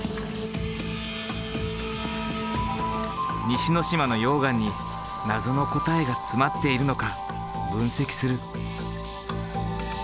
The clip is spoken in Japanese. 西之島の溶岩に謎の答えが詰まっているのか分析する。